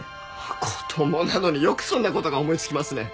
子供なのによくそんな事が思いつきますね。